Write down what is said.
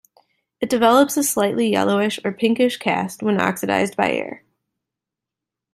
It develops a slightly yellowish or pinkish cast when oxidized by air.